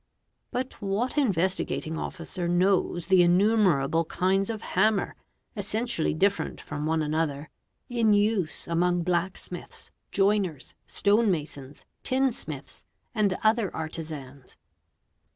But what Investigating Officer knows the innumerable kinds of hammer, essentially different from one another, in use among blacksmiths, joiners, stone masons, tin smiths, and other artisans?